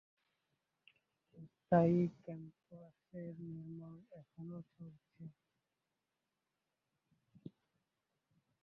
স্থায়ী ক্যাম্পাসের নির্মাণ এখনও চলছে।